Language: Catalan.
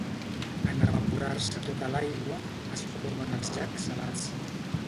En evaporar-se tota l'aigua, es formen els llacs salats.